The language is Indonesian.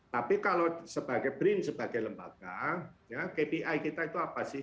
tapi kalau sebagai brin sebagai lembaga kpi kita itu apa sih